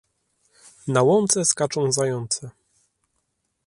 Na łące skaczą zające.